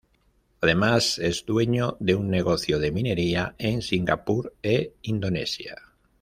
Además es dueño de un negocio de minería en Singapur e Indonesia.